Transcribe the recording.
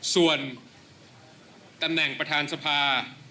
ส่วนตำแหน่งประธานสภา